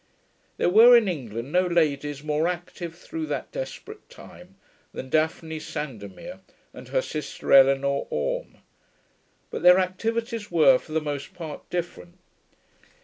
There were in England no ladies more active through that desperate time than Daphne Sandomir and her sister Eleanor Orme; but their activities were for the most part different.